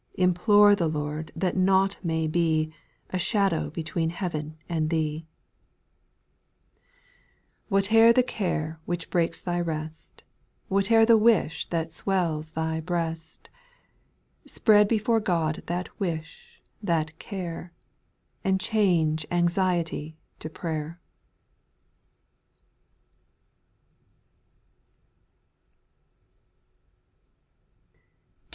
Implore the Lord that nought may be, A shadow between heaven and thee. SPIRITUAL SONGS. 84> 4. i Whatever the care which breaks thy rest— Whatever the wish that swells thy breast — Spread before God that wish, that care, And change anxiety to prayer, j 2^.